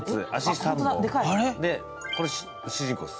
これ、主人公です。